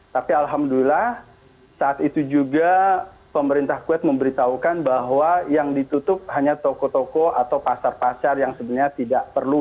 tapi alhamdulillah saat itu juga pemerintah kue memberitahukan bahwa yang ditutup hanya toko toko atau pasar pasar yang sebenarnya tidak perlu